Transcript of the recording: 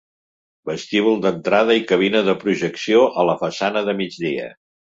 Vestíbul d'entrada i cabina de projecció a la façana de migdia.